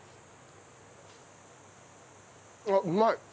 あっうまい。